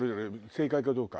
正解かどうか。